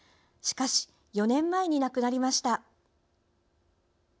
しかし、４年前に亡くなりました。